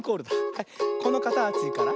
はいこのかたちから。